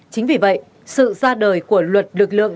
chính vì vậy sự ra đời của luật lực lượng